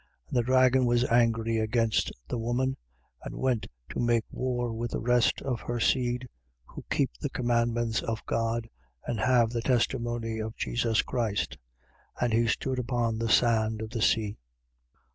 12:17. And the dragon was angry against the woman: and went to make war with the rest of her seed, who keep the commandments of God and have the testimony of Jesus Christ. 12:18. And he stood upon the sand of the sea.